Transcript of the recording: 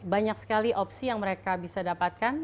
banyak sekali opsi yang mereka bisa dapatkan